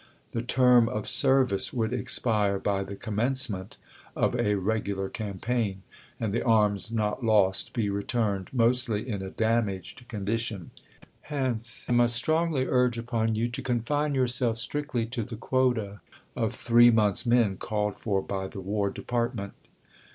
The term of service would expire by the commencement of a regular campaign, and the arms not lost be returned, mostly, in a damaged condition. Hence I must strongly urge upon you to confine yourseK strictly to the quota of three months' men called for by the War Department.